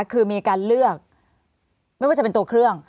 คือมีการเลือกไม่ว่าจะเป็นตัวเครื่อง